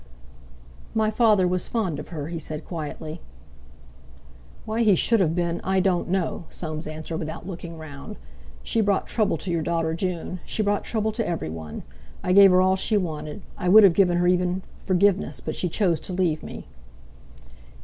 "My father was fond of her," he said quietly. "Why he should have been I don't know," Soames answered without looking round. "She brought trouble to your daughter June; she brought trouble to everyone. I gave her all she wanted. I would have given her even—forgiveness—but she chose to leave me."